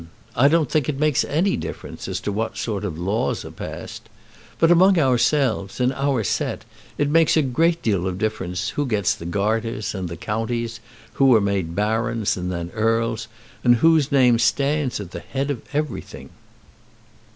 I don't think it makes any difference as to what sort of laws are passed. But among ourselves, in our set, it makes a deal of difference who gets the garters, and the counties, who are made barons and then earls, and whose name stands at the head of everything."